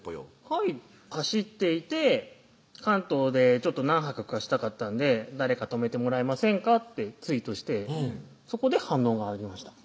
はい走っていて関東で何泊かしたかったんで「誰か泊めてもらえませんか？」とツイートしてそこで反応がありました